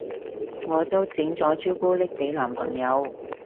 我都整咗朱古力俾男朋友